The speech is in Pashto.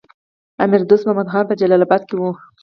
امیر دوست محمد خان په جلال اباد کې وو.